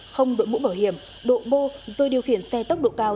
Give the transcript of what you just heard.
không đội mũ bảo hiểm độ mô rồi điều khiển xe tốc độ cao